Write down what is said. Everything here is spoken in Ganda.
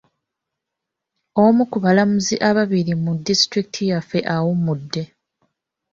Omu ku balamuzi ababiri mu disitulikiti yaffe awummudde.